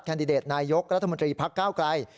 แคนดิเดตนายยกรัฐมนตรีภักดิ์เก้าไกร